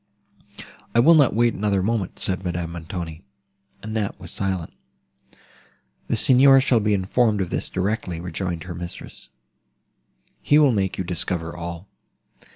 "I will not wait another moment," said Madame Montoni. Annette was silent. "The Signor shall be informed of this directly," rejoined her mistress; "he will make you discover all."